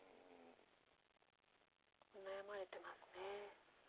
悩まれてますね。